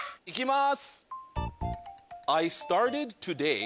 行きます！